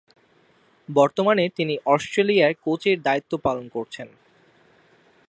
বর্তমানে তিনি অস্ট্রেলিয়ায় কোচের দায়িত্ব পালন করছেন।